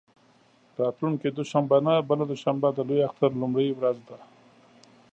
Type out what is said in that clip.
راتلونکې دوشنبه نه، بله دوشنبه د لوی اختر لومړۍ ورځ ده.